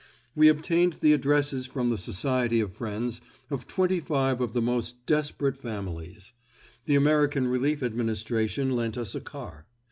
We obtained the addresses from the Society of Friends of twenty five of the most desperate families. The American Relief Administration lent us a car.